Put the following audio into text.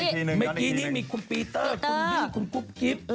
เมื่อกี้นี้มีคุณปีเตอร์คุณบี้คุณกุ๊บกิ๊บ